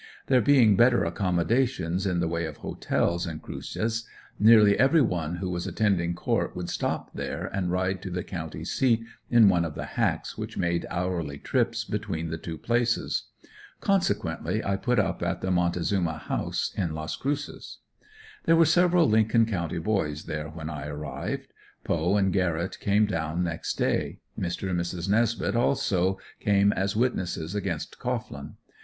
There being better accommodations, in the way of Hotels, in "Cruces," nearly every one who was attending court would stop there and ride to the county seat in one of the "hacks" which made hourly trips between the two places. Consequently I put up at the Montezuma House, in Las Cruces. There were several Lincoln County boys there when I arrived. Poe and Garrett came down next day. Mr. and Mrs. Nesbeth also came as witnesses against Cohglin.